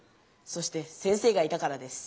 そして先生がいたからです。